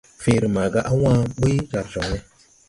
Fẽẽre maaga á wãã ɓuy jar jɔŋ ne.